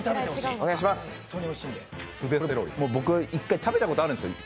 僕は１回食べたことあるんですよ。